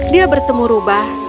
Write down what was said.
dia bertemu rubah